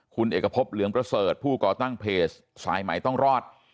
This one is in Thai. คุณเอกพบเหลืองประเสริฐผู้ก่อตั้งเพจสายใหม่ต้องรอด